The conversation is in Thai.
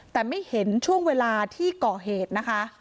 แต่ไม่เห็นช่วงเวลาที่ก่อเหตุนะคะ